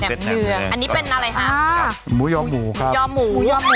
เซตแนมเนืองอันนี้เป็นอะไรฮะอ่าหมูยอหมูครับหมูยอหมูหมูยอหมู